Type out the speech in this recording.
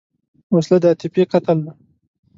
وسله د عاطفې قتل ده